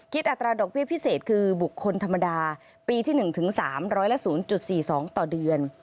อัตราดอกเบี้ยพิเศษคือบุคคลธรรมดาปีที่๑ถึง๓๐๐ละ๐๔๒ต่อเดือน